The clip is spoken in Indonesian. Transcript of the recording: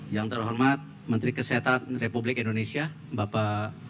yang terhormat menteri kesehatan republik indonesia bapak